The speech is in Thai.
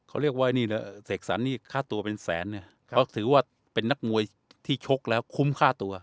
เขาเรียกว่านี่แหละเสกสรรนี่ค่าตัวเป็นแสนเนี่ยเขาถือว่าเป็นนักมวยที่ชกแล้วคุ้มค่าตัว